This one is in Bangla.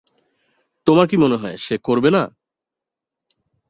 তোমার কি মনে হয়, সে করবে না?